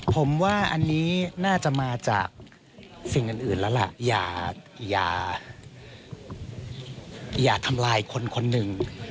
ผมว่าอันนี้น่าจะมาจากสิ่งอื่นแล้วล่ะอย่าทำลายคนคนหนึ่ง